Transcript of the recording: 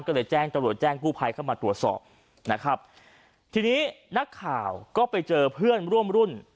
ก็เลยแจ้งตำรวจแจ้งกู้ภัยเข้ามาตรวจสอบนะครับทีนี้นักข่าวก็ไปเจอเพื่อนร่วมรุ่น